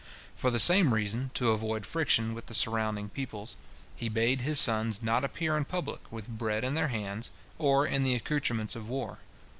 For the same reason, to avoid friction with the surrounding peoples, he bade his sons not appear in public with bread in their hands, or in the accoutrements of war.